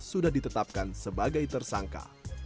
sudah ditetapkan sebagai tersangka